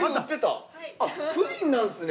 あっプリンなんですね。